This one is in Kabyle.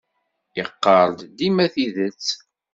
Yeqqar-d dima tidet.